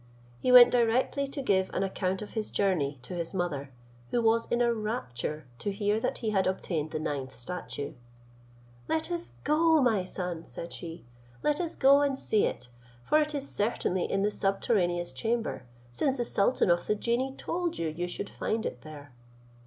He went directly to give an account of his journey to his mother, who was in a rapture to hear that he had obtained the ninth statue. "Let us go, my son," said she, "let us go and see it, for it is certainly in the subterraneous chamber, since the sultan of the genii told you you should find it there."